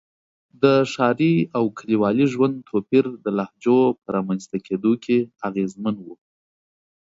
د ښاري او کلیوالي ژوند توپیر د لهجو په رامنځته کېدو کې اغېزمن و.